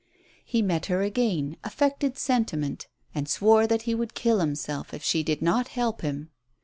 He met her again, affected sentiment, and swore that he would kill himself if she did not help him.